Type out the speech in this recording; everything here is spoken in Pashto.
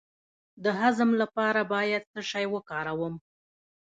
د هضم لپاره باید څه شی وکاروم؟